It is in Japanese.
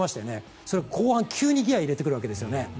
それを後半、急にギアを入れてくるわけですよね。